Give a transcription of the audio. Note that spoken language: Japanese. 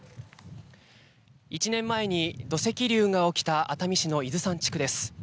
１年前に土石流が起きた熱海市の伊豆山地区です。